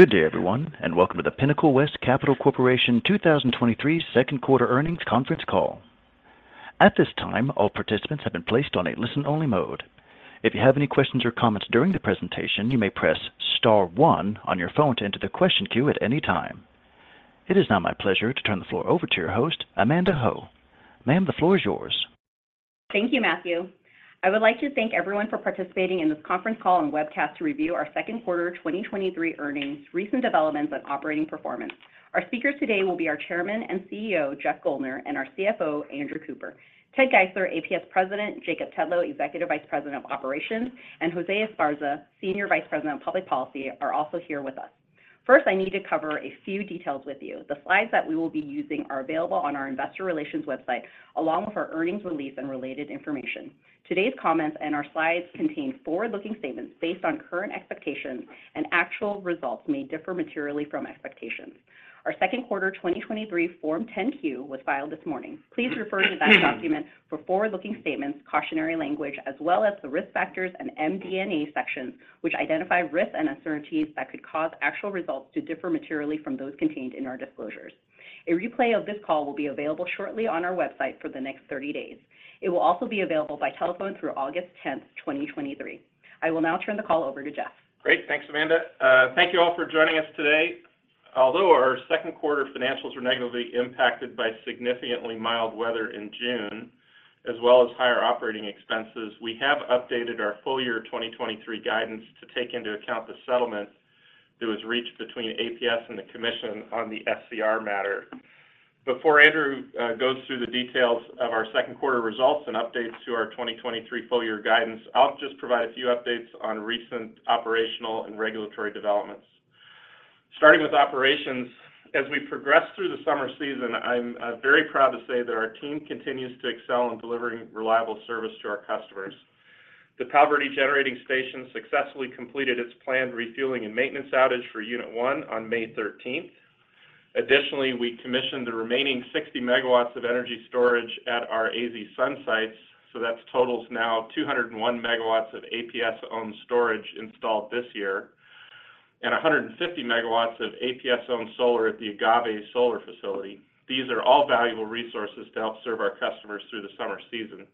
Good day, everyone, and welcome to the Pinnacle West Capital Corporation 2023 second quarter earnings conference call. At this time, all participants have been placed on a listen-only mode. If you have any questions or comments during the presentation, you may press star one on your phone to enter the question queue at any time. It is now my pleasure to turn the floor over to your host, Amanda Ho. Ma'am, the floor is yours. Thank you, Matthew. I would like to thank everyone for participating in this conference call and webcast to review our second quarter 2023 earnings, recent developments, and operating performance. Our speakers today will be our Chairman and CEO, Jeff Guldner, and our CFO, Andrew Cooper. Ted Geisler, APS President, Jacob Tetlow, Executive Vice President, Operations, and Jose Esparza, Senior Vice President, Public Policy, are also here with us. First, I need to cover a few details with you. The slides that we will be using are available on our investor relations website, along with our earnings release and related information. Today's comments and our slides contain forward-looking statements based on current expectations, and actual results may differ materially from expectations. Our second quarter 2023 Form 10-Q was filed this morning. Please refer to that document for forward-looking statements, cautionary language, as well as the risk factors and MD&A sections, which identify risks and uncertainties that could cause actual results to differ materially from those contained in our disclosures. A replay of this call will be available shortly on our website for the next 30 days. It will also be available by telephone through August 10th, 2023. I will now turn the call over to Jeff. Great. Thanks, Amanda. Thank you all for joining us today. Although our second quarter financials were negatively impacted by significantly mild weather in June, as well as higher operating expenses, we have updated our full year 2023 guidance to take into account the settlement that was reached between APS and the commission on the SCR matter. Before Andrew goes through the details of our second quarter results and updates to our 2023 full year guidance, I'll just provide a few updates on recent operational and regulatory developments. Starting with operations, as we progress through the summer season, I'm very proud to say that our team continues to excel in delivering reliable service to our customers. The Palo Verde Nuclear Generating Station successfully completed its planned refueling and maintenance outage for Unit 1 on May 13th. Additionally, we commissioned the remaining 60 megawatts of energy storage at our AZ Sun sites, so that's totals now 201 megawatts of APS-owned storage installed this year, and 150 megawatts of APS-owned solar at the Agave Solar Facility. These are all valuable resources to help serve our customers through the summer season.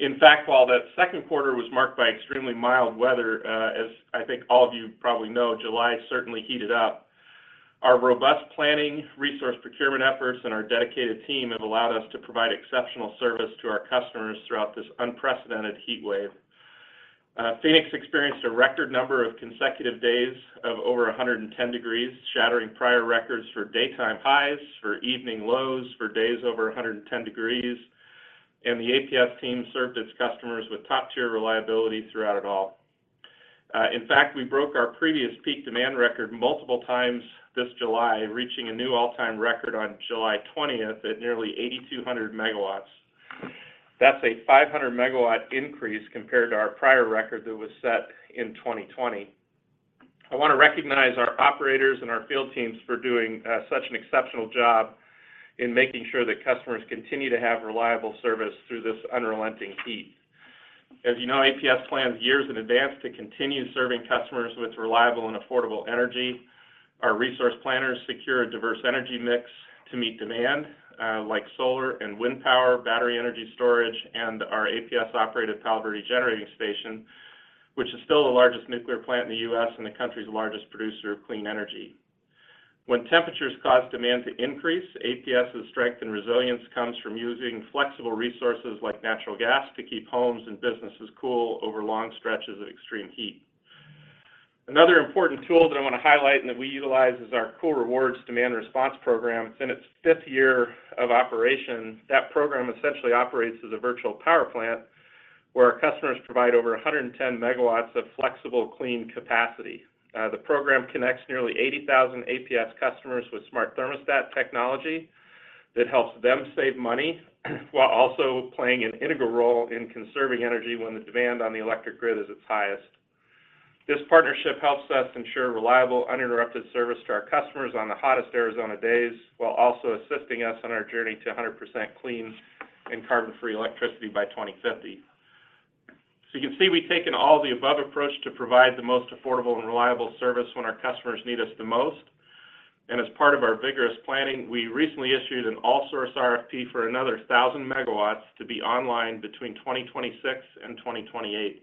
In fact, while that second quarter was marked by extremely mild weather, as I think all of you probably know, July certainly heated up. Our robust planning, resource procurement efforts, and our dedicated team have allowed us to provide exceptional service to our customers throughout this unprecedented heat wave. Phoenix experienced a record number of consecutive days of over 110 degrees, shattering prior records for daytime highs, for evening lows, for days over 110 degrees. The APS team served its customers with top-tier reliability throughout it all. In fact, we broke our previous peak demand record multiple times this July, reaching a new all-time record on July 20th at nearly 8,200 megawatts. That's a 500-megawatt increase compared to our prior record that was set in 2020. I want to recognize our operators and our field teams for doing such an exceptional job in making sure that customers continue to have reliable service through this unrelenting heat. As you know, APS plans years in advance to continue serving customers with reliable and affordable energy. Our resource planners secure a diverse energy mix to meet demand, like solar and wind power, battery energy storage, and our APS-operated Palo Verde Generating Station, which is still the largest nuclear plant in the U.S. and the country's largest producer of clean energy. When temperatures cause demand to increase, APS's strength and resilience comes from using flexible resources like natural gas to keep homes and businesses cool over long stretches of extreme heat. Another important tool that I want to highlight and that we utilize is our Cool Rewards demand response program. It's in its fifth year of operation. That program essentially operates as a virtual power plant, where our customers provide over 110 MW of flexible, clean capacity. The program connects nearly 80,000 APS customers with smart thermostat technology that helps them save money while also playing an integral role in conserving energy when the demand on the electric grid is its highest. This partnership helps us ensure reliable, uninterrupted service to our customers on the hottest Arizona days, while also assisting us on our journey to 100% clean and carbon-free electricity by 2050. You can see we've taken all the above approach to provide the most affordable and reliable service when our customers need us the most. As part of our vigorous planning, we recently issued an all-source RFP for another 1,000 megawatts to be online between 2026 and 2028.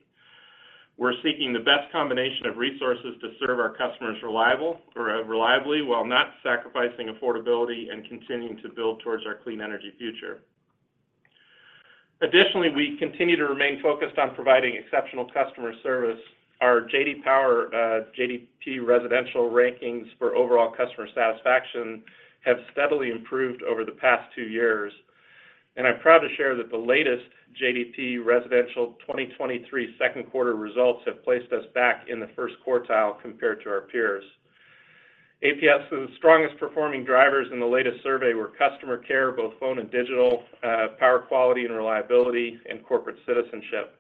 We're seeking the best combination of resources to serve our customers reliable or reliably, while not sacrificing affordability and continuing to build towards our clean energy future. Additionally, we continue to remain focused on providing exceptional customer service. Our J.D. Power, JDP Residential rankings for overall customer satisfaction have steadily improved over the past 2 years, and I'm proud to share that the latest JDP Residential 2023 2nd quarter results have placed us back in the 1st quartile compared to our peers. APS's strongest performing drivers in the latest survey were customer care, both phone and digital, power quality and reliability, and corporate citizenship.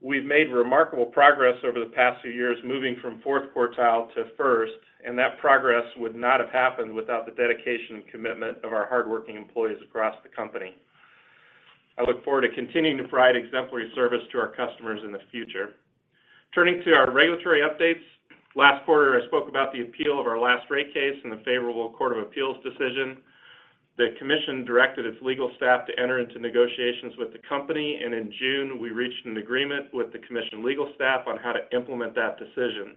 We've made remarkable progress over the past few years, moving from 4th quartile to 1st, and that progress would not have happened without the dedication and commitment of our hardworking employees across the company. I look forward to continuing to provide exemplary service to our customers in the future. Turning to our regulatory updates, last quarter, I spoke about the appeal of our last rate case and the favorable Court of Appeals decision. The commission directed its legal staff to enter into negotiations with the company, in June, we reached an agreement with the commission legal staff on how to implement that decision.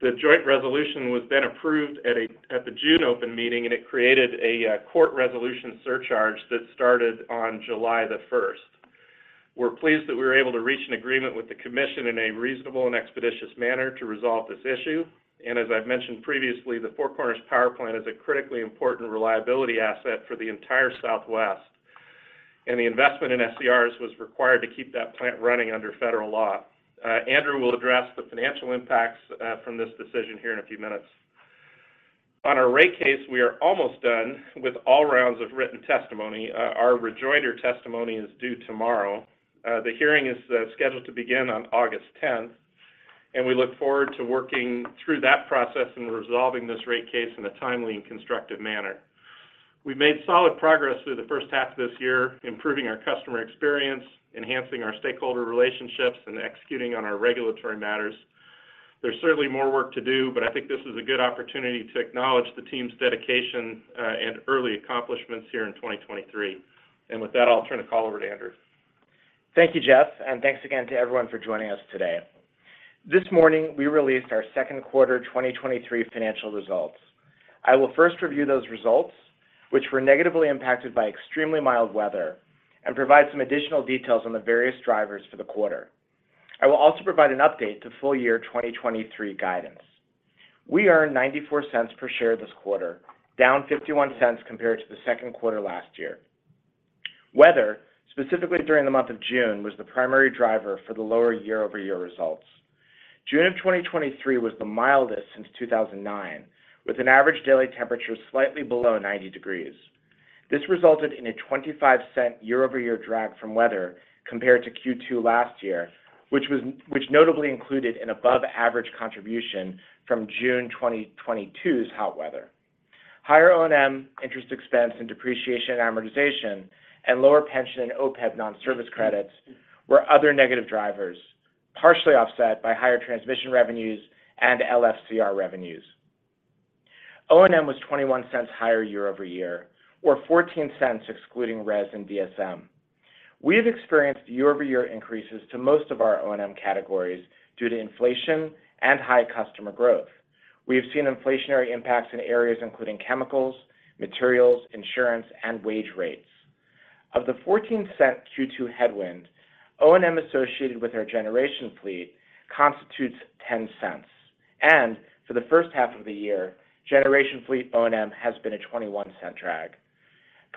The joint resolution was then approved at the June open meeting, and it created a court resolution surcharge that started on July 1st. We're pleased that we were able to reach an agreement with the commission in a reasonable and expeditious manner to resolve this issue, as I've mentioned previously, the Four Corners Power Plant is a critically important reliability asset for the entire Southwest. The investment in SCRs was required to keep that plant running under federal law. Andrew will address the financial impacts from this decision here in a few minutes. On our rate case, we are almost done with all rounds of written testimony. Our rejoinder testimony is due tomorrow. The hearing is scheduled to begin on August 10th, and we look forward to working through that process and resolving this rate case in a timely and constructive manner. We've made solid progress through the first half of this year, improving our customer experience, enhancing our stakeholder relationships, and executing on our regulatory matters. There's certainly more work to do, but I think this is a good opportunity to acknowledge the team's dedication and early accomplishments here in 2023. With that, I'll turn the call over to Andrew. Thank you, Jeff, thanks again to everyone for joining us today. This morning, we released our second quarter 2023 financial results. I will first review those results, which were negatively impacted by extremely mild weather, and provide some additional details on the various drivers for the quarter. I will also provide an update to full year 2023 guidance. We earned $0.94 per share this quarter, down $0.51 compared to the second quarter last year. Weather, specifically during the month of June, was the primary driver for the lower year-over-year results. June of 2023 was the mildest since 2009, with an average daily temperature slightly below 90 degrees. This resulted in a $0.25 year-over-year drag from weather compared to Q2 last year, which notably included an above-average contribution from June 2022's hot weather. Higher O&M, interest expense and depreciation, amortization, and lower pension and OPEB non-service credits were other negative drivers, partially offset by higher transmission revenues and LFCR revenues. O&M was $0.21 higher year-over-year, or $0.14 excluding RES and VSM. We have experienced year-over-year increases to most of our O&M categories due to inflation and high customer growth. We have seen inflationary impacts in areas including chemicals, materials, insurance, and wage rates. Of the $0.14 Q2 headwind, O&M associated with our generation fleet constitutes $0.10, and for the first half of the year, generation fleet O&M has been a $0.21 drag.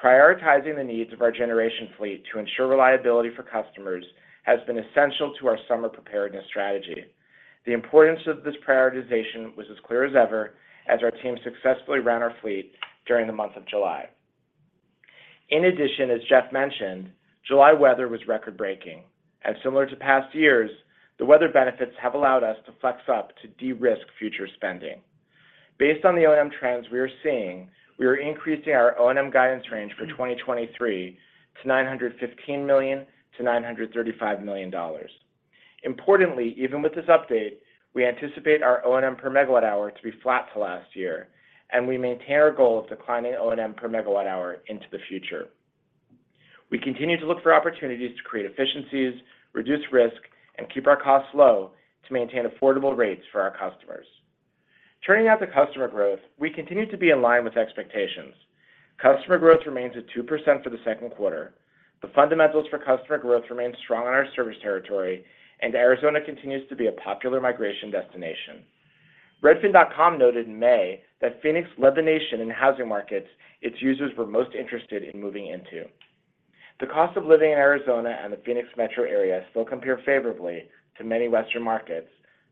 Prioritizing the needs of our generation fleet to ensure reliability for customers has been essential to our summer preparedness strategy. The importance of this prioritization was as clear as ever as our team successfully ran our fleet during the month of July. In addition, as Jeff mentioned, July weather was record-breaking. Similar to past years, the weather benefits have allowed us to flex up to de-risk future spending. Based on the O&M trends we are seeing, we are increasing our O&M guidance range for 2023 to $915 million-$935 million. Importantly, even with this update, we anticipate our O&M per megawatt hour to be flat to last year, and we maintain our goal of declining O&M per megawatt hour into the future. We continue to look for opportunities to create efficiencies, reduce risk, and keep our costs low to maintain affordable rates for our customers. Turning now to customer growth, we continue to be in line with expectations. Customer growth remains at 2% for the second quarter. The fundamentals for customer growth remain strong in our service territory, and Arizona continues to be a popular migration destination. Redfin noted in May that Phoenix led the nation in housing markets its users were most interested in moving into. The cost of living in Arizona and the Phoenix metro area still compare favorably to many Western markets,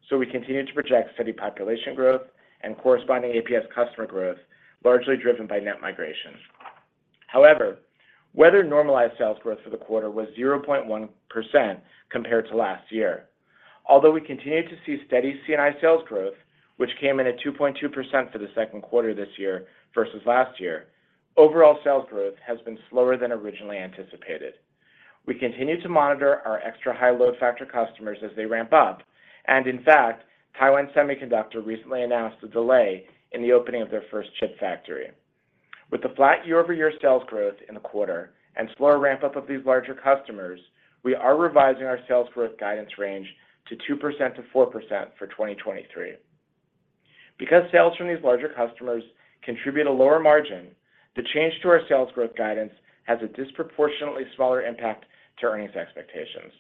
so we continue to project steady population growth and corresponding APS customer growth, largely driven by net migration. However, weather-normalized sales growth for the quarter was 0.1% compared to last year. Although we continue to see steady C&I sales growth, which came in at 2.2% for the second quarter this year versus last year, overall sales growth has been slower than originally anticipated. We continue to monitor our extra high load factor customers as they ramp up, and in fact, Taiwan Semiconductor recently announced a delay in the opening of their first chip factory. With the flat year-over-year sales growth in the quarter and slower ramp-up of these larger customers, we are revising our sales growth guidance range to 2%-4% for 2023. Because sales from these larger customers contribute a lower margin, the change to our sales growth guidance has a disproportionately smaller impact to earnings expectations.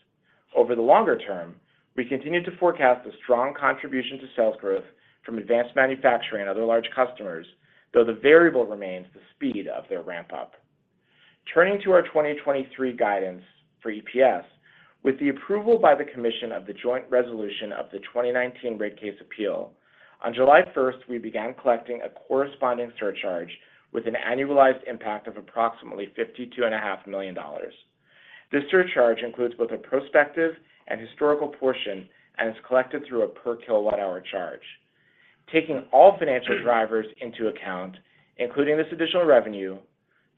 Over the longer term, we continue to forecast a strong contribution to sales growth from advanced manufacturing and other large customers, though the variable remains the speed of their ramp-up. Turning to our 2023 guidance for EPS, with the approval by the commission of the joint resolution of the 2019 rate case appeal, on July 1st, we began collecting a corresponding surcharge with an annualized impact of approximately $52.5 million. This surcharge includes both a prospective and historical portion, and is collected through a per kilowatt-hour charge. Taking all financial drivers into account, including this additional revenue,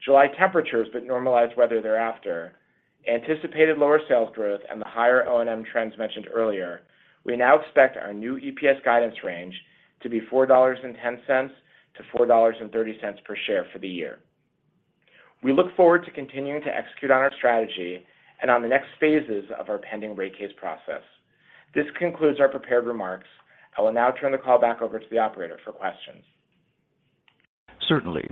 July temperatures that normalized weather thereafter, anticipated lower sales growth, and the higher O&M trends mentioned earlier, we now expect our new EPS guidance range to be $4.10-$4.30 per share for the year. We look forward to continuing to execute on our strategy and on the next phases of our pending rate case process. This concludes our prepared remarks. I will now turn the call back over to the operator for questions. Certainly.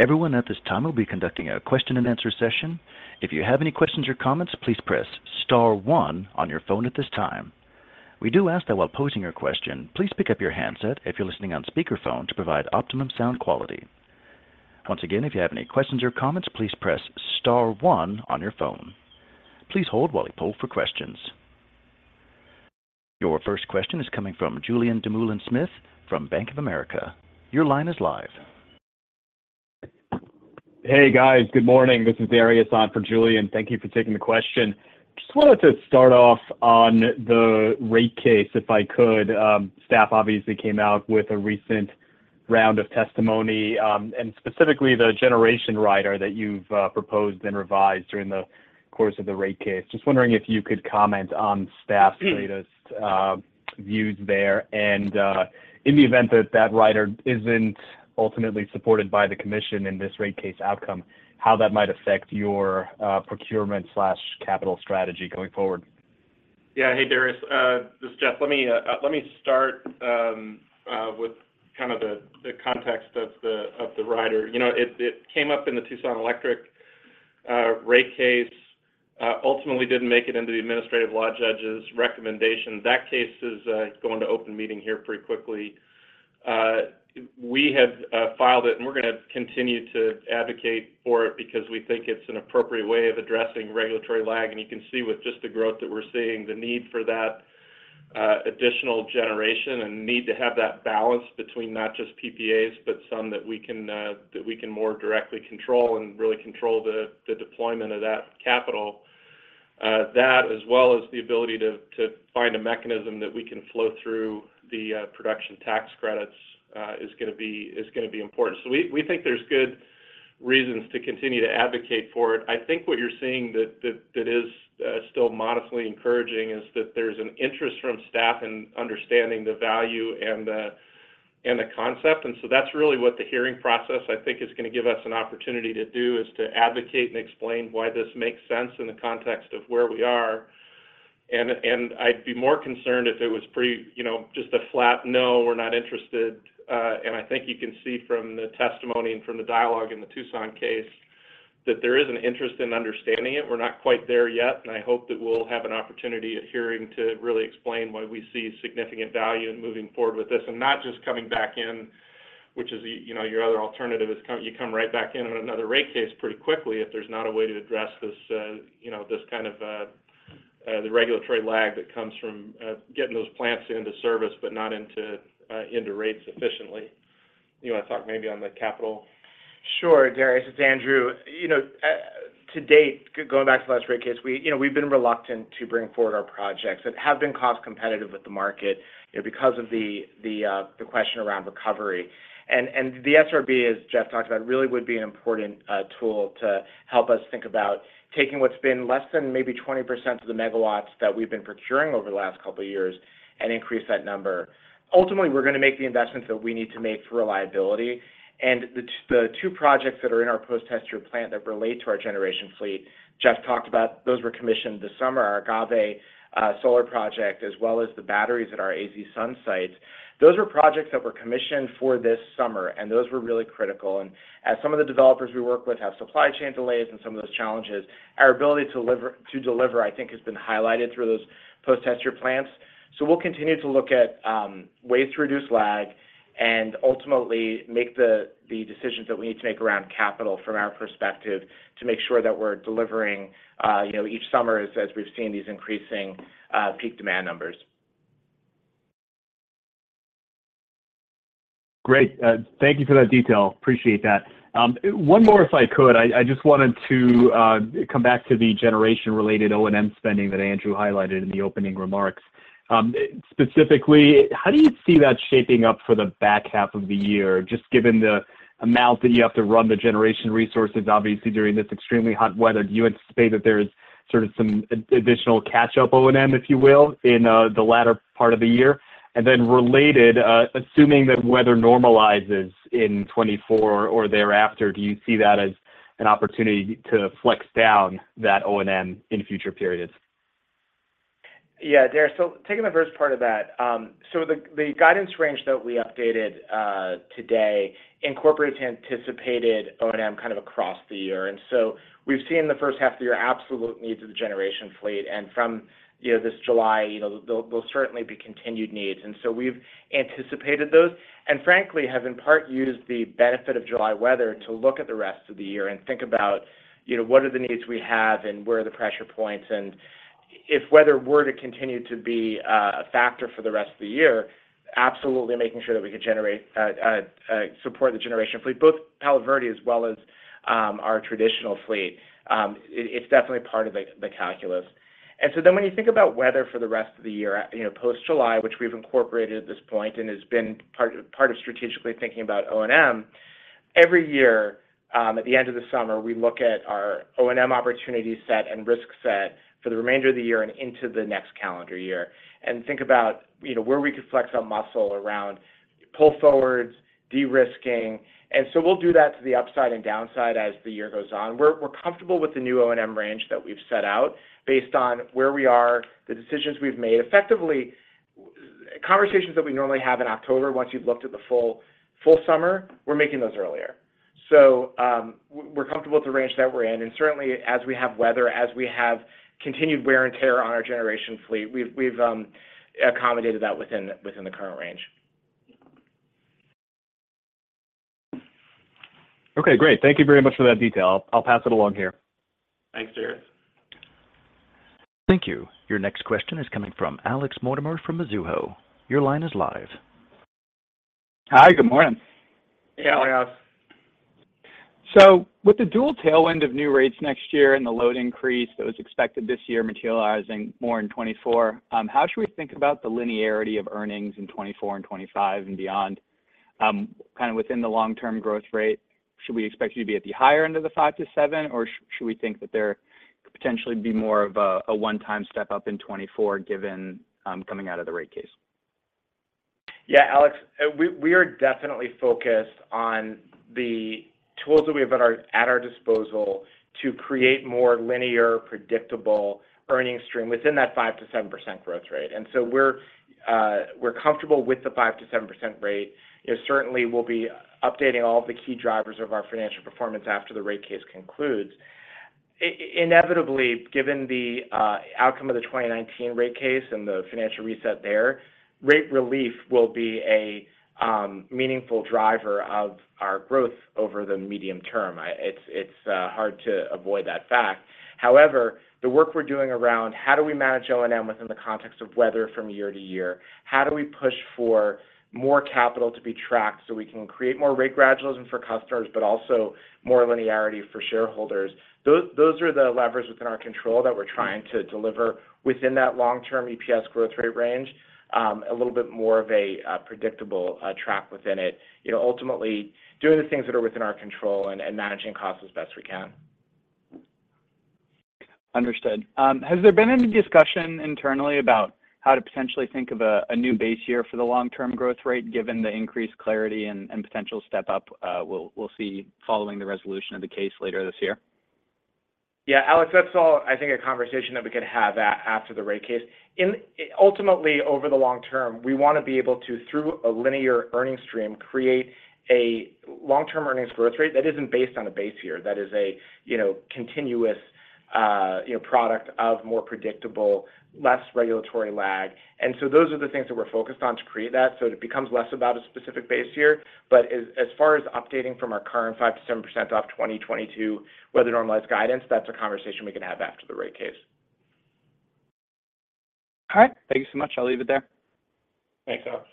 Everyone at this time will be conducting a question and answer session. If you have any questions or comments, please press star one on your phone at this time. We do ask that while posing your question, please pick up your handset if you're listening on speakerphone to provide optimum sound quality. Once again, if you have any questions or comments, please press star one on your phone. Please hold while we poll for questions. Your first question is coming from Julien Dumoulin-Smith from Bank of America. Your line is live. Hey, guys. Good morning. This is Dariusz on for Julien. Thank you for taking the question. Just wanted to start off on the rate case, if I could. Staff obviously came out with a recent round of testimony, and specifically the generation rider that you've proposed and revised during the course of the rate case. Just wondering if you could comment on staff's latest views there, and in the event that that rider isn't ultimately supported by the commission in this rate case outcome, how that might affect your procurement/capital strategy going forward? Yeah. Hey, Dariusz. This is Jeff. Let me let me start with kind of the context of the rider. You know, it, it came up in the Tucson Electric rate case, ultimately didn't make it into the administrative law judge's recommendation. That case is going to open meeting here pretty quickly. We have filed it, and we're going to continue to advocate for it because we think it's an appropriate way of addressing regulatory lag. You can see with just the growth that we're seeing, the need for that additional generation and need to have that balance between not just PPAs, but some that we can that we can more directly control and really control the deployment of that capital. That as well as the ability to, to find a mechanism that we can flow through the production tax credits is going to be, is going to be important. We, we think there's good reasons to continue to advocate for it. I think what you're seeing that, that, that is still modestly encouraging is that there's an interest from staff in understanding the value and the, and the concept. That's really what the hearing process, I think, is going to give us an opportunity to do, is to advocate and explain why this makes sense in the context of where we are. I'd be more concerned if it was pretty, you know, just a flat, "No, we're not interested." I think you can see from the testimony and from the dialogue in the Tucson case, that there is an interest in understanding it. We're not quite there yet, and I hope that we'll have an opportunity at hearing to really explain why we see significant value in moving forward with this, and not just coming back in, which is, you know, your other alternative, is you come right back in on another rate case pretty quickly if there's not a way to address this, you know, this kind of, the regulatory lag that comes from, getting those plants into service but not into, into rate sufficiently. You want to talk maybe on the capital? Sure, Dariusz. It's Andrew. You know, to date, going back to the last rate case, we, you know, we've been reluctant to bring forward our projects that have been cost competitive with the market, you know, because of the, the, the question around recovery. The SRB, as Jeff talked about, really would be an important tool to help us think about taking what's been less than maybe 20% of the megawatts that we've been procuring over the last couple of years and increase that number. Ultimately, we're going to make the investments that we need to make for reliability, and the 2 projects that are in our post-test year plan that relate to our generation fleet, Jeff talked about, those were commissioned this summer, our Agave Solar project, as well as the batteries at our AZ Sun sites. Those were projects that were commissioned for this summer. Those were really critical. As some of the developers we work with have supply chain delays and some of those challenges, our ability to deliver, to deliver, I think, has been highlighted through those post-test year plans. We'll continue to look at ways to reduce lag and ultimately make the, the decisions that we need to make around capital from our perspective to make sure that we're delivering, you know, each summer as, as we've seen these increasing, peak demand numbers. Great. Thank you for that detail. Appreciate that. One more, if I could. I, I just wanted to come back to the generation-related O&M spending that Andrew highlighted in the opening remarks. Specifically, how do you see that shaping up for the back half of the year, just given the amount that you have to run the generation resources, obviously, during this extremely hot weather? Do you anticipate that there's sort of some additional catch-up O&M, if you will, in the latter part of the year? Related, assuming that weather normalizes in 2024 or thereafter, do you see that as an opportunity to flex down that O&M in future periods? Yeah, Dariusz. Taking the first part of that, the guidance range that we updated today incorporates anticipated O&M kind of across the year. We've seen the first half of the year absolute needs of the generation fleet, and from, you know, this July, you know, there will certainly be continued needs. We've anticipated those, and frankly, have in part used the benefit of July weather to look at the rest of the year and think about, you know, what are the needs we have and where are the pressure points. If weather were to continue to be a factor for the rest of the year, absolutely making sure that we could generate, support the generation fleet, both Palo Verde as well as our traditional fleet. It's definitely part of the calculus. When you think about weather for the rest of the year, at, you know, post-July, which we've incorporated at this point, and has been part of, part of strategically thinking about O&M, every year, at the end of the summer, we look at our O&M opportunity set and risk set for the remainder of the year and into the next calendar year, and think about, you know, where we could flex our muscle around pull forwards, de-risking. We'll do that to the upside and downside as the year goes on. We're, we're comfortable with the new O&M range that we've set out based on where we are, the decisions we've made. Effectively, conversations that we normally have in October, once you've looked at the full, full summer, we're making those earlier. We're comfortable with the range that we're in, and certainly as we have weather, as we have continued wear and tear on our generation fleet, we've accommodated that within, within the current range. Okay, great. Thank you very much for that detail. I'll pass it along here. Thanks, Jeff. Thank you. Your next question is coming from Alex Mortimer from Mizuho. Your line is live. Hi, good morning. Hey, Alex. With the dual tailwind of new rates next year and the load increase that was expected this year materializing more in 2024, how should we think about the linearity of earnings in 2024 and 2025 and beyond? Kind of within the long-term growth rate, should we expect you to be at the higher end of the 5%-7%, or should we think that there could potentially be more of a, a one-time step up in 2024, given coming out of the rate case? Yeah, Alex, we, we are definitely focused on the tools that we have at our, at our disposal to create more linear, predictable earning stream within that 5%-7% growth rate. We're, we're comfortable with the 5%-7% rate. You know, certainly we'll be updating all of the key drivers of our financial performance after the rate case concludes. Inevitably, given the outcome of the 2019 rate case and the financial reset there, rate relief will be a meaningful driver of our growth over the medium term. It's, it's hard to avoid that fact. However, the work we're doing around how do we manage O&M within the context of weather from year to year? How do we push for more capital to be tracked so we can create more rate gradualism for customers, but also more linearity for shareholders? Those, those are the levers within our control that we're trying to deliver within that long-term EPS growth rate range, a little bit more of a predictable track within it. You know, ultimately, doing the things that are within our control and, and managing costs as best we can. Understood. Has there been any discussion internally about how to potentially think of a, a new base year for the long-term growth rate, given the increased clarity and, and potential step up, we'll, we'll see following the resolution of the case later this year? Yeah, Alex, that's all, I think, a conversation that we could have after the rate case. Ultimately, over the long term, we want to be able to, through a linear earning stream, create a long-term earnings growth rate that isn't based on a base year, that is a, you know, continuous, you know, product of more predictable, less regulatory lag. So those are the things that we're focused on to create that, so it becomes less about a specific base year. As, as far as updating from our current 5%-7% off 2022 weather normalized guidance, that's a conversation we can have after the rate case. All right. Thank you so much. I'll leave it there. Thanks, Alex.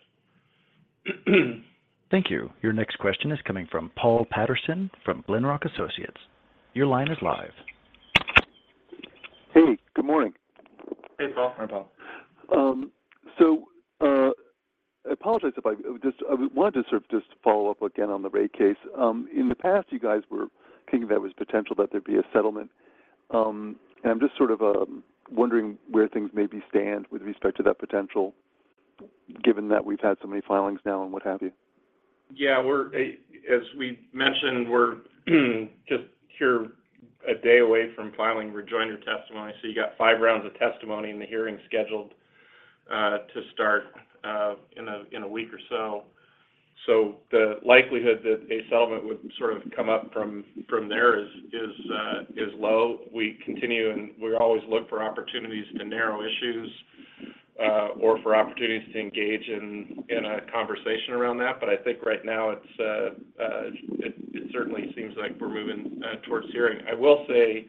Thank you. Your next question is coming from Paul Patterson from Glenrock Associates LLC. Your line is live. Hey, good morning. Hey, Paul. Hi, Paul. I apologize. Just, I wanted to sort of just follow up again on the rate case. In the past, you guys were thinking there was potential that there'd be a settlement. I'm just sort of wondering where things maybe stand with respect to that potential, given that we've had so many filings now and what have you. Yeah, we're, as we mentioned, we're just here a day away from filing rejoinder testimony. You got five rounds of testimony, and the hearing scheduled to start in a week or so. The likelihood that a settlement would sort of come up from, from there is, is low. We continue, and we always look for opportunities to narrow issues, or for opportunities to engage in a conversation around that. I think right now, it's, it certainly seems like we're moving towards hearing. I will say,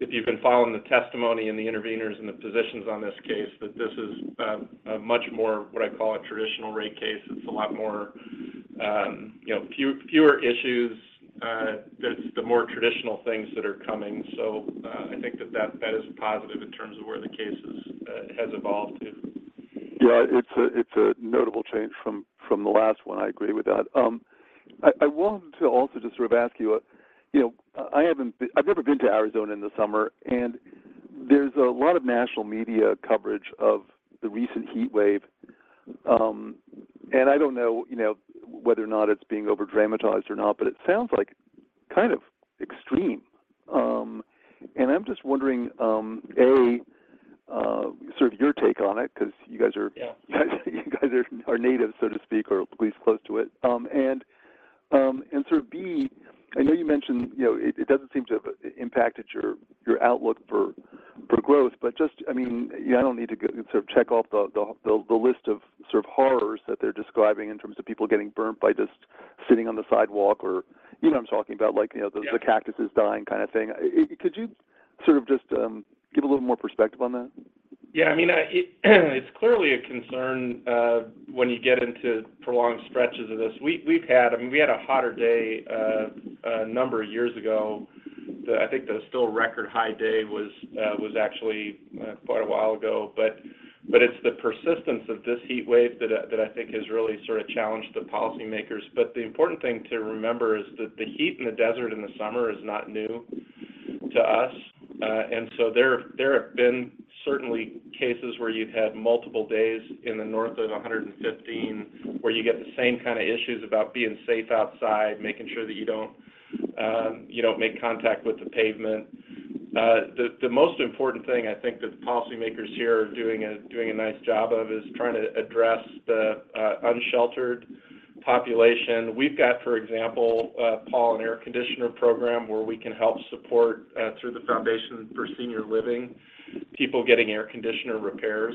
if you've been following the testimony and the interveners and the positions on this case, that this is a much more what I call a traditional rate case. It's a lot more, you know, fewer issues, there's the more traditional things that are coming. I think that is positive in terms of where the case is, has evolved to. Yeah, it's a, it's a notable change from, from the last one. I agree with that. I, I wanted to also just sort of ask you, you know, I've never been to Arizona in the summer, and there's a lot of national media coverage of the recent heat wave. I don't know, you know, whether or not it's being over-dramatized or not, but it sounds like kind of extreme. I'm just wondering, A, sort of your take on it, 'cause you guys are you guys are, are native, so to speak, or at least close to it. Sort of B, I know you mentioned, you know, it, it doesn't seem to have impacted your, your outlook for, for growth, but just, I mean, you know, I don't need to sort of check off the, the, the, the list of sort of horrors that they're describing in terms of people getting burnt by just sitting on the sidewalk or. You know what I'm talking about, like, you know the cactuses dying kind of thing. Could you sort of just give a little more perspective on that? I mean, I, it, it's clearly a concern when you get into prolonged stretches of this. We've had-- I mean, we had a hotter day a number of years ago, that I think the still record high day was actually quite a while ago. It's the persistence of this heat wave that I think has really sort of challenged the policymakers. The important thing to remember is that the heat in the desert in the summer is not new to us. There, there have been certainly cases where you've had multiple days in the north of 115, where you get the same kinda issues about being safe outside, making sure that you don't, you don't make contact with the pavement. The, the most important thing, I think, that the policymakers here are doing a, doing a nice job of, is trying to address the unsheltered population. We've got, for example, Paul, an air conditioner program where we can help support, through the Foundation for Senior Living, people getting air conditioner repairs,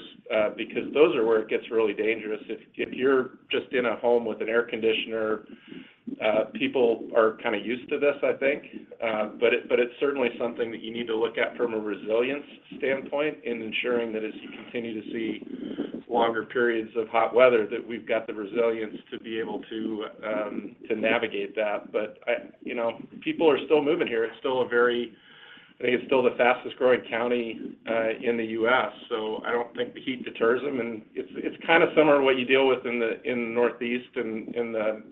because those are where it gets really dangerous. If, if you're just in a home with an air conditioner, people are kinda used to this, I think. It's certainly something that you need to look at from a resilience standpoint in ensuring that as you continue to see longer periods of hot weather, that we've got the resilience to be able to to navigate that. You know, people are still moving here. It's still I think it's still the fastest growing county in the U.S., so I don't think the heat deters them. It's, it's kinda similar to what you deal with in the, in the Northeast and in the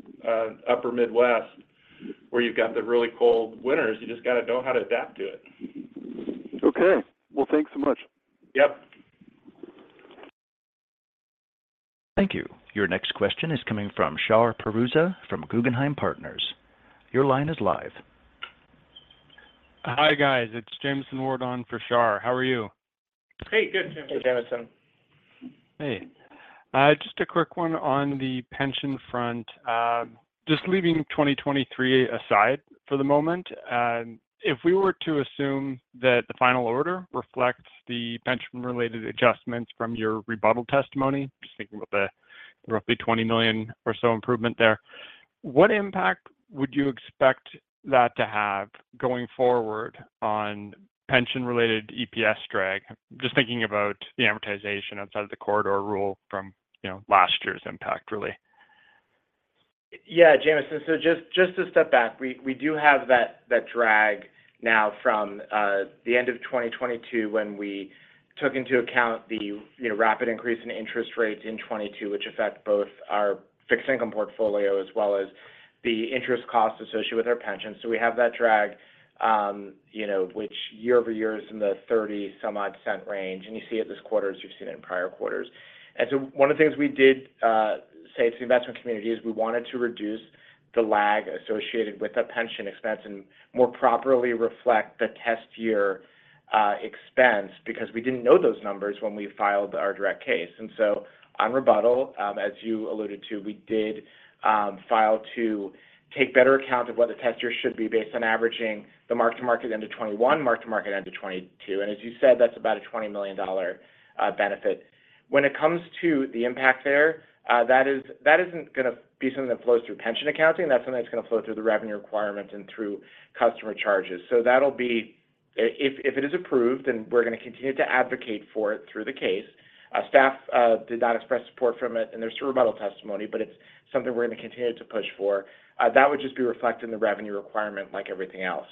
Upper Midwest, where you've got the really cold winters. You just gotta know how to adapt to it. Okay. Well, thanks so much. Thank you. Your next question is coming from Shar Pourreza from Guggenheim Partners. Your line is live. Hi, guys. It's Jameson Ward on for Shar. How are you? Hey, good, Jameson. Hey, Jameson. Hey. Just a quick one on the pension front. Just leaving 2023 aside for the moment, and if we were to assume that the final order reflects the pension-related adjustments from your rebuttal testimony, just thinking about the roughly $20 million or so improvement there, what impact would you expect that to have going forward on pension-related EPS drag? Just thinking about the amortization outside of the corridor rule from, you know, last year's impact, really. Yeah, Jameson. Just, just to step back, we, we do have that, that drag now from the end of 2022, when we took into account the, you know, rapid increase in interest rates in 2022, which affect both our fixed income portfolio as well as the interest cost associated with our pensions. We have that drag, you know, which year-over-year is in the $0.30-some odd range, and you see it this quarter as you've seen it in prior quarters. One of the things we did say to the investment community is we wanted to reduce the lag associated with the pension expense and more properly reflect the test year expense, because we didn't know those numbers when we filed our direct case. On rebuttal, as you alluded to, we did file to take better account of what the test year should be, based on averaging the mark-to-market end of 2021, mark-to-market end of 2022. As you said, that's about a $20 million benefit. When it comes to the impact there, that isn't gonna be something that flows through pension accounting. That's something that's gonna flow through the revenue requirement and through customer charges. That'll be. If, if it is approved, then we're gonna continue to advocate for it through the case. Staff did not express support from it in their rebuttal testimony, but it's something we're gonna continue to push for. That would just be reflected in the revenue requirement like everything else.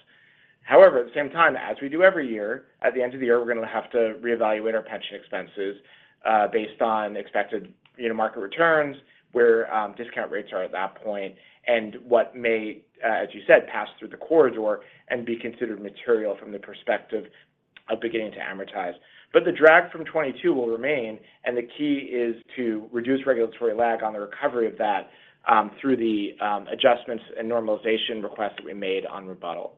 At the same time as we do every year, at the end of the year, we're gonna have to reevaluate our pension expenses, based on expected, you know, market returns, where discount rates are at that point, and what may, as you said, pass through the corridor and be considered material from the perspective of beginning to amortize. The drag from 2022 will remain, and the key is to reduce regulatory lag on the recovery of that, through the adjustments and normalization requests that we made on rebuttal.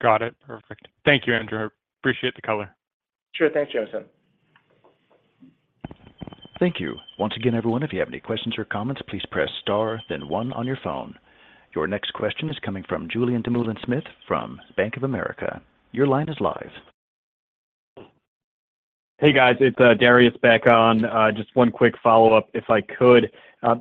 Got it. Perfect. Thank you, Andrew. Appreciate the color. Sure. Thanks, Jameson. Thank you. Once again, everyone, if you have any questions or comments, please press Star, then One on your phone. Your next question is coming from Julien Dumoulin-Smith from Bank of America. Your line is live. Hey, guys, it's Dariusz back on. Just one quick follow-up, if I could.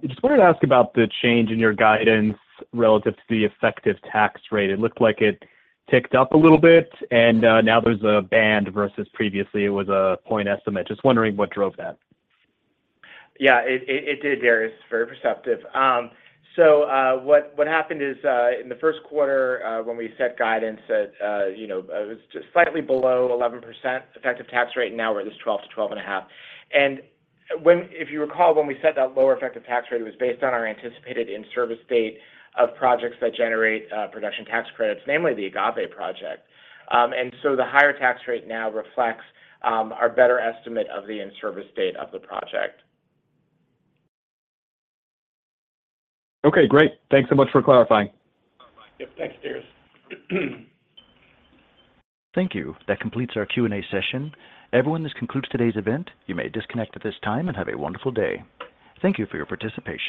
Just wanted to ask about the change in your guidance relative to the effective tax rate. It looked like it ticked up a little bit, and now there's a band versus previously, it was a point estimate. Just wondering what drove that. Yeah, it, it, it did, Dariusz. Very perceptive. What, what happened is, in the first quarter, when we set guidance that, you know, it was just slightly below 11% effective tax rate, now we're at this 12%-12.5%. If you recall, when we set that lower effective tax rate, it was based on our anticipated in-service date of projects that generate production tax credits, namely the Agave project. The higher tax rate now reflects our better estimate of the in-service date of the project. Okay, great. Thanks so much for clarifying. Yep. Thanks, Dariusz. Thank you. That completes our Q&A session. Everyone, this concludes today's event. You may disconnect at this time, and have a wonderful day. Thank you for your participation.